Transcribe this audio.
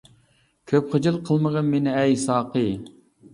كۆپ خىجىل قىلمىغىن مېنى ئەي ساقى.